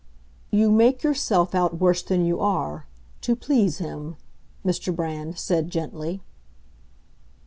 "You make yourself out worse than you are—to please him," Mr. Brand said, gently.